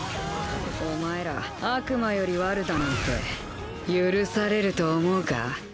お前ら、悪魔より悪だなんて許されると思うか？